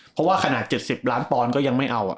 เพราะว่าขนาด๗๐ล้านปอนด์ก็ยังไม่เอา